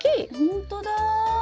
ほんとだ。